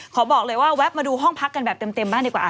ขอบอกเลยว่าแวะมาดูห้องพักกันแบบเต็มบ้างดีกว่า